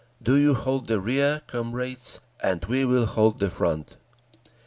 Do you hold the rear, comrades, and we will hold the front!"